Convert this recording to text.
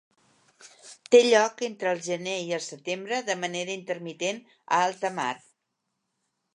Té lloc entre el gener i el setembre de manera intermitent a alta mar.